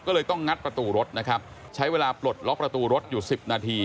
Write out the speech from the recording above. ก็เลยต้องงัดประตูรถนะครับใช้เวลาปลดล็อกประตูรถอยู่สิบนาที